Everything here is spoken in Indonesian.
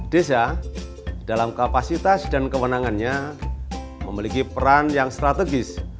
desa dalam kapasitas dan kewenangannya memiliki peran yang strategis